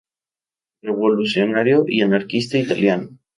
Revolucionario y anarquista italiano.